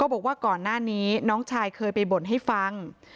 บอกว่าก่อนหน้านี้น้องชายเคยไปบ่นให้ฟัง